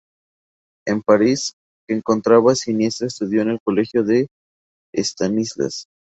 En París, que encontraba siniestra, estudió en el colegio Stanislas.